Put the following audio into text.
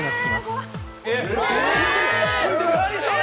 何それ！？